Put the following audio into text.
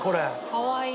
かわいい。